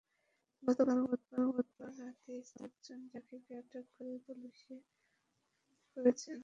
গতকাল বুধবার রাতে স্থানীয় লোকজন জাকিরকে আটক করে পুলিশে সোপর্দ করেছেন।